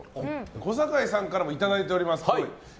小堺さんからもいただいています。